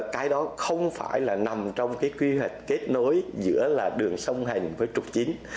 cái đó không phải là nằm trong cái quy hoạch kết nối giữa là đường sông hành với trục chính